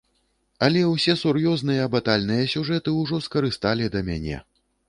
Але ўсе сур'ёзныя батальныя сюжэты ўжо скарысталі да мяне.